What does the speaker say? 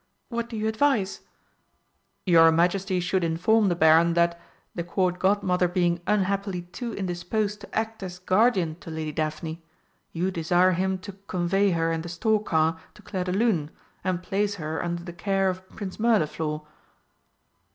What do you advise?" "Your Majesty should inform the Baron that, the Court Godmother being unhappily too indisposed to act as guardian to Lady Daphne, you desire him to convey her in the stork car to Clairdelune and place her under the care of Prince Mirliflor."